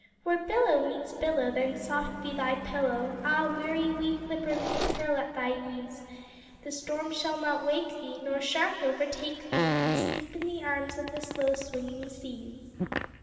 Where billow meets billow, then soft be thy pillow, Ah, weary wee flipperling, curl at thy ease! The storm shall not wake thee, nor shark overtake thee, Asleep in the arms of the slow swinging seas!